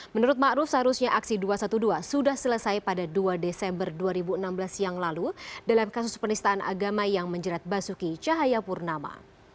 menurut ⁇ maruf ⁇ seharusnya aksi dua ratus dua belas sudah selesai pada dua desember dua ribu enam belas yang lalu dalam kasus penistaan agama yang menjerat basuki cahayapurnama